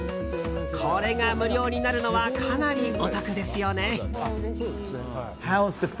これが無料になるのはかなりお得ですよね。